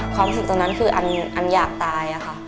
ความสุขตรงนั้นคืออันอยากตายค่ะ